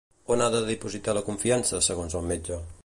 On ha de dipositar la confiança, segons el metge?